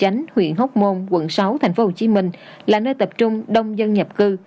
quận bình chánh huyện hốc môn quận sáu tp hcm là nơi tập trung đông dân nhập cư